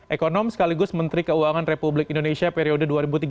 ekonom sekaligus menteri keuangan republik indonesia periode dua ribu tiga dua ribu